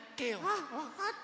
あわかった。